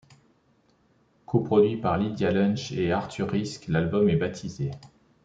Coproduit par Lydia Lunch et Arthur Rizk, l'album est baptisé '.